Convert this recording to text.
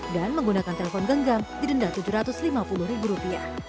dan menggunakan telepon genggam didenda rp tujuh ratus lima puluh